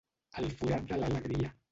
El forat de l'alegria.